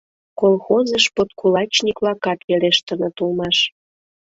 Колхозыш подкулачник-влакат верештыныт улмаш.